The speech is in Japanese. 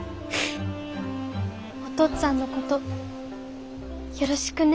お父っつぁんのことよろしくね。